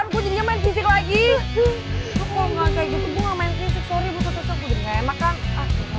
kelebihan gua ya lo